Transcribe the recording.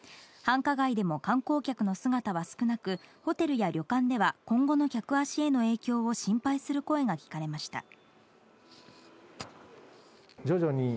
繁華街でも観光客の姿は少なくホテルや旅館では今後の客足への影響を心配する声が聞かれました。